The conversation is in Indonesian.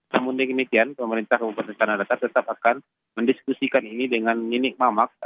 namun demikian pemerintah kabupaten tanah datar tetap akan mendiskusikan ini dengan ninik mamak